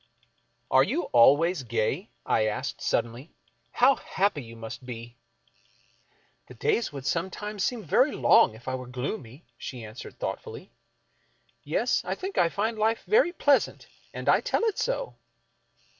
" Are you always gay ?" I asked, suddenly, " How happy you must be !"" The days would sometimes seem very long if I were gloomy," she answered, thoughtfully. " Yes, I think I find life very pleasant, and I tell it so."